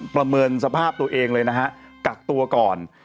ประเมินสภาพตัวเองเลยนะฮะกักตัวก่อน